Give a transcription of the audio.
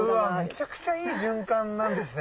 めちゃくちゃいい循環なんですね。